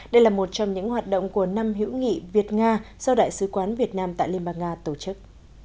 đây là một trong những hoạt động của năm hữu nghị việt nga do đại sứ quán việt nam tại liên bang nga tổ chức